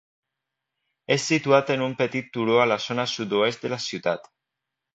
És situat en un petit turó a la zona sud-oest de la ciutat.